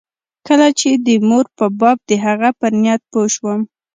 کله چې د مور په باب د هغه پر نيت پوه سوم.